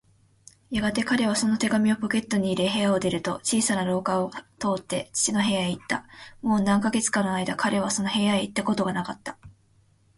やがて彼はその手紙をポケットに入れ、部屋を出ると、小さな廊下を通って父の部屋へいった。もう何カ月かのあいだ、彼はその部屋へいったことがなかった。